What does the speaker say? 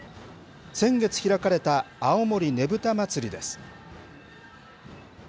先月開かれた青森ねぶた祭です。